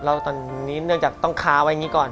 เล่าตอนนี้เนื่องจากต้องค้าไว้อย่างนี้ก่อน